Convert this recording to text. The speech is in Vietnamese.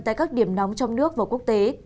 tại các điểm nóng trong nước và quốc tế